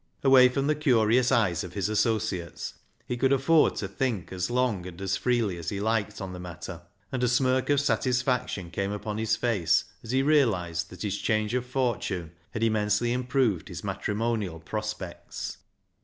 Away from the curious eyes of his associates he could afford to think as long and as freely as he liked on the matter, and a smirk of satisfaction came upon his face as he realised that his change of fortune had immensely improved his matrimonial prospects.